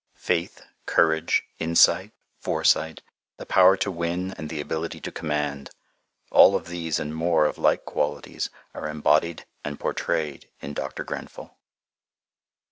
Faith, courage, insight, foresight, the power to win, and the ability to command, all of these and more of like qualities are embodied and portrayed in Dr. Grenfell.